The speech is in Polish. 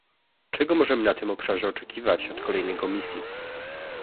Czego możemy na tym obszarze oczekiwać od kolejnej Komisji?